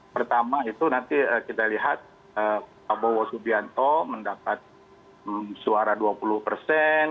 pertama itu nanti kita lihat prabowo subianto mendapat suara dua puluh persen